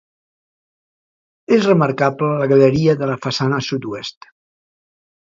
És remarcable la galeria de la façana sud-oest.